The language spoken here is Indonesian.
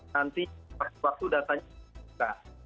nanti waktu datanya juga